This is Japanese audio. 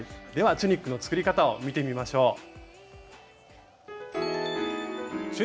ではチュニックの作り方を見てみましょう。